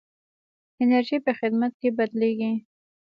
انرژي په خدمت کې بدلېږي.